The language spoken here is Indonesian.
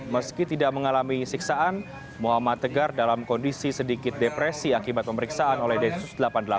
meski tidak mengalami siksaan muhammad tegar dalam kondisi sedikit depresi akibat pemeriksaan oleh densus delapan puluh delapan